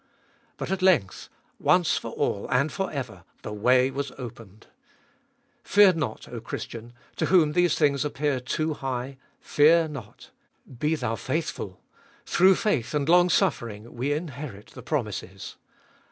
But at 294 m>e Iboliest of Bll length, once for all and for ever, the way was opened. Fear not, O Christian, to whom these things appear too high, fear not. Be thou faithful, through faith and longsuffering we inherit the promises.